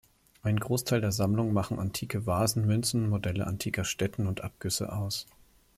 Einen Großteil der Sammlung machen antike Vasen, Münzen, Modelle antiker Stätten und Abgüsse aus.